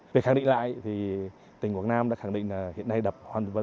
về khẳng định lại thì tỉnh quảng nam đã khẳng định là hiện nay đập hoàn toàn